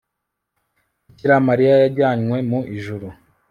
bikira mariya yajyanywe mu ijuru